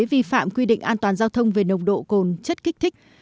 vi phạm quy định an toàn giao thông về nồng độ cồn chất kích thích